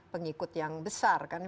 pengikut yang besar